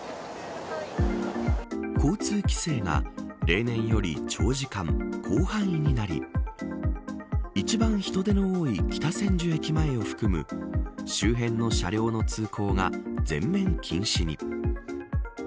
交通規制が例年より長時間、広範囲になり一番人出の多い北千住駅前を含む周辺の車両の通行が全面禁止に。